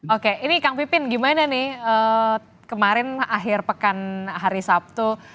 oke ini kang pipin gimana nih kemarin akhir pekan hari sabtu